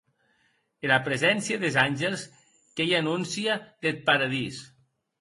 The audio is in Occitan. Era preséncia des angels qu’ei anóncia deth paradís.